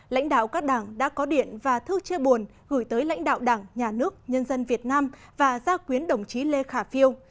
lãnh đạo các đảng đã có điện và thư chia buồn gửi tới lãnh đạo đảng nhà nước nhân dân việt nam và gia quyến đồng chí lê khả phiêu